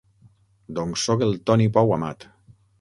Doncs soc el Toni Pou Amat.